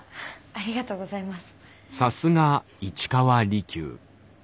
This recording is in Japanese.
ありがとうございます。